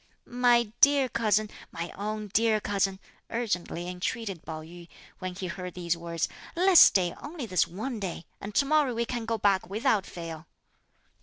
"My dear cousin, my own dear cousin," urgently entreated Pao yü, when he heard these words, "let's stay only this one day, and to morrow we can go back without fail."